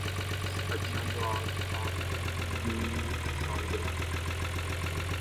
اچھا تو آج آپ کی سالگرہ ہے